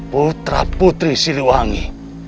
putra putri siliwangi